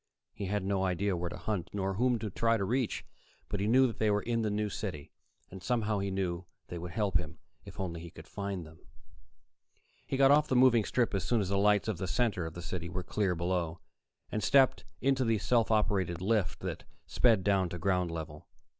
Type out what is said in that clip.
He had no idea where to hunt, nor whom to try to reach, but he knew they were there in the New City, and somehow he knew they would help him, if only he could find them. He got off the moving strip as soon as the lights of the center of the city were clear below, and stepped into the self operated lift that sped down to ground level.